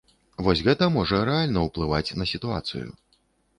Вось гэта можа рэальна ўплываць на сітуацыю.